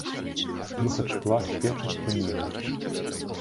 Выхад шкла з печы спынілі.